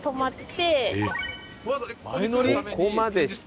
そこまでして？